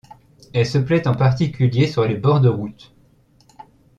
Elle se plaît en particulier sur les bords de route.